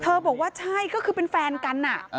บอกว่าใช่ก็คือเป็นแฟนกัน